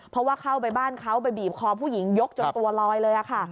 เพราะว่าเข้าไปบ้านเขาไปบีบคอผู้หญิงยกจนตัวลอยเลยค่ะ